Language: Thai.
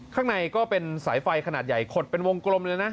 ข้างในก็เป็นสายไฟขนาดใหญ่ขดเป็นวงกลมเลยนะ